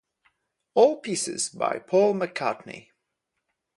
All pieces by Paul McCartney.